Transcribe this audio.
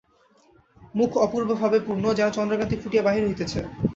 মুখ অপূর্বভাবে পূর্ণ, যেন চন্দ্রকান্তি ফুটিয়া বাহির হইতেছে।